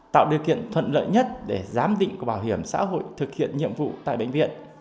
tạo điều kiện thuận lợi nhất để giám định của bảo hiểm xã hội thực hiện nhiệm vụ tại bệnh viện